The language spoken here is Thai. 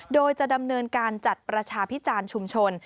โดยจะดำเนินการจัดประชาพิจารณ์ชุมชน